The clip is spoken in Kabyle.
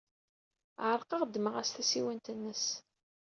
Ɛerqeɣ, ddmeɣ-as tasiwant-nnes.